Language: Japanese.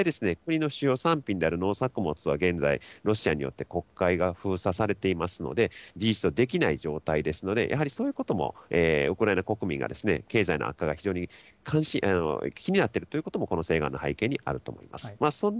実際、国の主要産品である農作物は現在、ロシアによって国会が封鎖されていますので、事実上、できない状態ですので、やはりそういうことも、ウクライナ国民が経済の悪化が非常に気になっているということも、この請願の背景にあると思います。